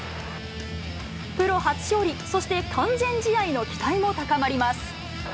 プロ初勝利、そして完全試合の期待も高まります。